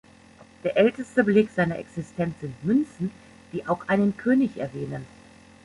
Der älteste Beleg seiner Existenz sind Münzen, die auch einen König erwähnen.